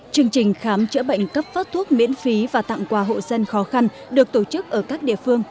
chương trình khám chữa bệnh cấp phát thuốc miễn phí và tặng quà hộ dân khó khăn được tổ chức ở các địa phương